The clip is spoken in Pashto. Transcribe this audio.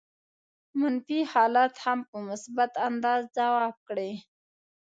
منفي حالات هم په مثبت انداز ځواب کړي.